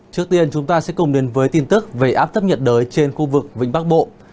trước tiên chúng ta sẽ cùng đến với tin tức về áp thấp nhiệt đới trên khu vực vĩnh bắc bộ